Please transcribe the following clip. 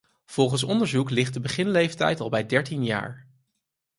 Volgens onderzoek ligt de beginleeftijd al bij dertien jaar.